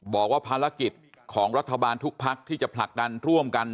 บอกว่าภารกิจของรัฐบาลทุกพักที่จะผลักดันร่วมกัน